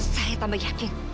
saya tambah yakin